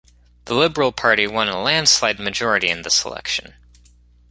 The Liberal Party won a landslide majority in this election.